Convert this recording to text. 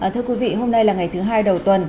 thưa quý vị hôm nay là ngày thứ hai đầu tuần